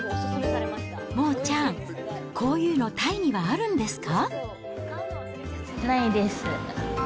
モーちゃん、こういうのタイにはあるんですか？